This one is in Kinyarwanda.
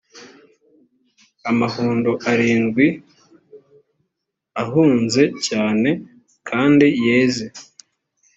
amahundo arindwi ahunze cyane kandi yeze